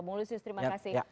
bang ulusius terima kasih